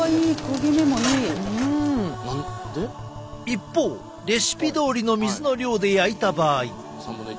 一方レシピどおりの水の量で焼いた場合。